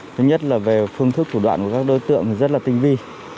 thứ nhất là về phương thức thủ đoạn của các đối tượng rất là tinh vi